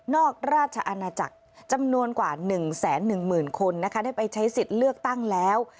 อกราชอาณาจักรจำนวนกว่า๑๑๐๐๐คนนะคะได้ไปใช้สิทธิ์เลือกตั้งแล้ว